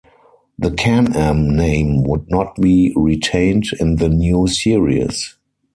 The Can-Am name would not be retained in the new series.